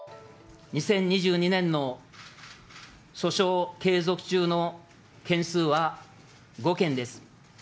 ２０２２年の訴訟継続中の件数は、５件です。